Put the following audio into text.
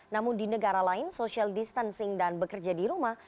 namun di negara lain social distancing dan bekerja di rumah